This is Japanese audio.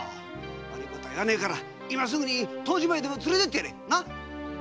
悪いことは言わねえから今すぐに湯治場にでも連れてってやれ！